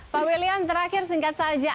pak william terakhir singkat saja